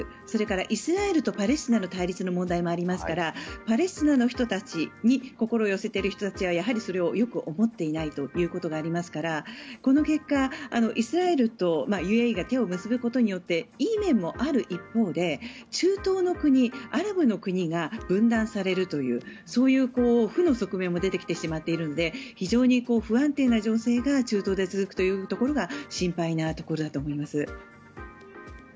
それからイスラエルとパレスチナの対立の問題がありますからパレスチナの人たちに心を寄せている人たちはやはりそれをよく思っていないということがありますからこの結果、イスラエルとＵＡＥが手を結ぶことでいい面もある一方で中東の国、アラブの国が分断されるというそういう負の側面も出てきてしまっているので非常に不安定な情勢が中東に続くというところが心配なところだと思います。